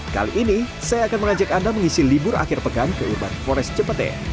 kali ini saya akan mengajak anda mengisi libur akhir pekan ke uban forest cepete